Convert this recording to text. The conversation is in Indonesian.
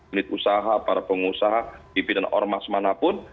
unit usaha para pengusaha pimpinan ormas manapun